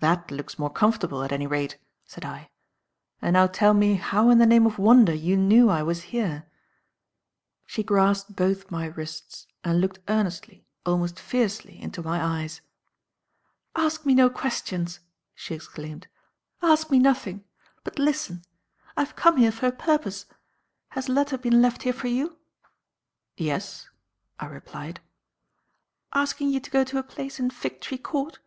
"That looks more comfortable, at any rate," said I. "And now tell me how in the name of wonder you knew I was here." She grasped both my wrists and looked earnestly almost fiercely into my eyes. "Ask me no questions!" she exclaimed. "Ask me nothing! But listen. I have come here for a purpose. Has a letter been left here for you?" "Yes," I replied. "Asking you to go to a place in Fig tree Court?"